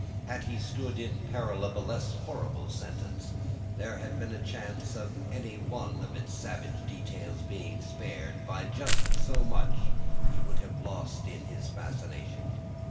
Had he stood in peril of a less horrible sentence had there been a chance of any one of its savage details being spared by just so much would he have lost in his fascination.